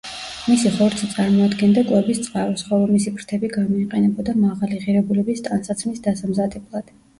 მისი ხორცი წარმოადგენდა კვების წყაროს, ხოლო მისი ფრთები გამოიყენებოდა მაღალი ღირებულების ტანსაცმლის დასამზადებლად.